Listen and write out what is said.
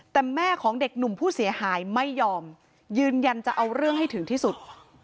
แต่แม่ของเด็กหนุ่มผู้เสียหายไม่ยอมยืนยันจะเอาเรื่องให้ถึงที่สุด